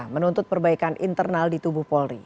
menuntut perbaikan internal di tubuh polri